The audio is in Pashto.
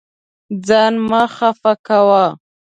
ځان مه خفه کوه.